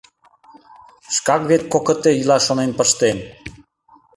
Шкак вет кокыте илаш шонен пыштен.